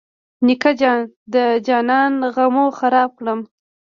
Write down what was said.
نیکه جانه د جانان غمو خراب کړم.